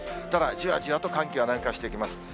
ただ、じわじわと寒気が南下してきます。